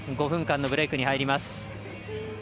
５分間のブレークに入ります。